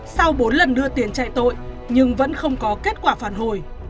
sau bốn lần đưa tiền chạy tội nhưng vẫn không có kết quả phản hồi